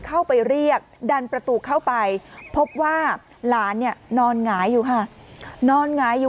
เข้าไปเรียกดันประตูเข้าไปพบว่าหลานเนี่ยนอนหงายอยู่ค่ะนอนหงายอยู่